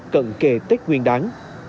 cận kề tết nguyên đán